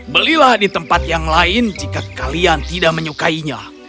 belilah di tempat yang lain jika kalian tidak menyukainya